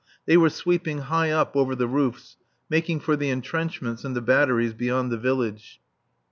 They were sweeping high up over the roofs, making for the entrenchments and the batteries beyond the village.